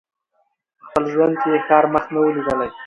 په خپل ژوند یې د ښار مخ نه وو لیدلی